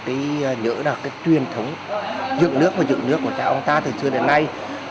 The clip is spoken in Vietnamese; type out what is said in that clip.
và nhớ được cái truyền thống dựng nước và dựng nước của cha ông ta từ xưa đến nay